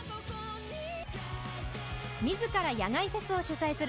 自ら野外フェスを主催する